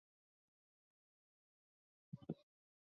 但是这次出使唐朝因为暴风雨袭击船队而不得不返航。